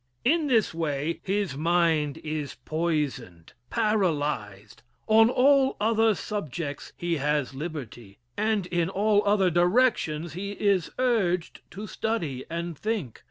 In this way his mind is poisoned, paralyzed. On all other subjects he has liberty and in all other directions he is urged to study and think.